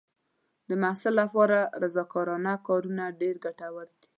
د محصل لپاره رضاکارانه کارونه ډېر ګټور دي.